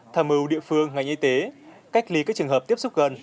tham mưu địa phương ngành y tế cách ly các trường hợp tiếp xúc gần